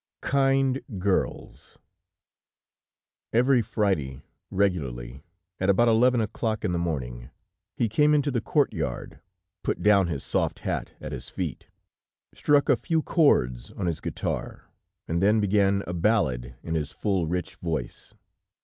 KIND GIRLS Every Friday, regularly, at about eleven o'clock in the morning, he came into the courtyard, put down his soft hat at his feet, struck a few chords on his guitar and then began a ballad in his full, rich voice.